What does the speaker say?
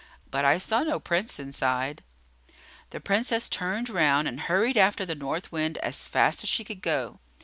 But I saw no Prince inside." The Princess turned round and hurried after the North Wind as fast as she could go.